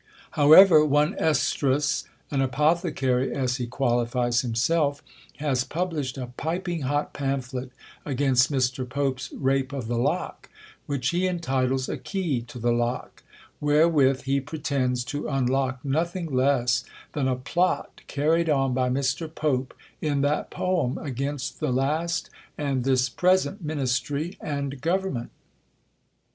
However, one Esdras, an apothecary, as he qualifies himself, has published a piping hot pamphlet against Mr. Pope's 'Rape of the Lock,' which he entitles 'A Key to the Lock,' wherewith he pretends to unlock nothing less than a plot carried on by Mr. Pope in that poem against the last and this present ministry and government."